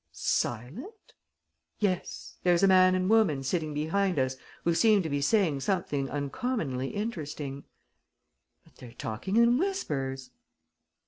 "Silent?" "Yes, there's a man and woman sitting behind us who seem to be saying something uncommonly interesting." "But they're talking in whispers."